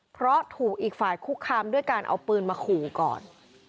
เพราะถูกอีกฝ่ายคุกคามด้วยการเอาปืนมาขู่ก่อน